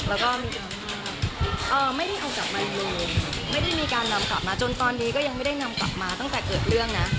แล้วก็มีการไม่ได้เอากลับมาอยู่ไม่ได้มีการนำกลับมาจนตอนนี้ก็ยังไม่ได้นำกลับมาตั้งแต่เกิดเรื่องนะ